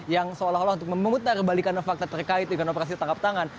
yang seolah olah untuk memutarbalikan fakta terkait dengan operasi tangkap tangan